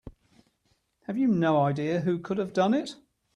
Have you no idea who could have done it?